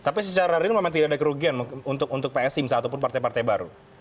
tapi secara real memang tidak ada kerugian untuk psi misalnya ataupun partai partai baru